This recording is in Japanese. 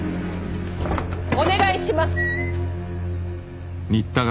お願いします。